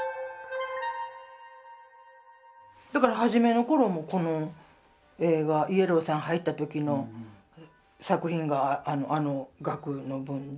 だから初めの頃もこの絵がＹＥＬＬＯＷさん入った時の作品があの額の分で。